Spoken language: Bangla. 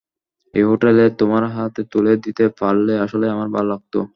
এই হোটেল তোমার হাতে তুলে দিতে পারলে আসলেই আমার ভালো লাগতো।